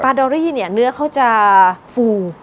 ดอรี่เนี่ยเนื้อเขาจะฟู